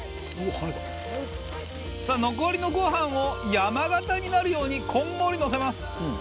カズレーザー：残りのご飯を山形になるようにこんもり、のせます。